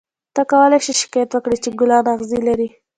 ته کولای شې شکایت وکړې چې ګلان اغزي لري.